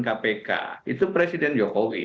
kpk itu presiden jokowi